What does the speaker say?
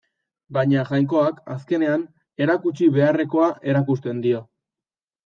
Baina Jainkoak, azkenean, erakutsi beharrekoa erakusten dio.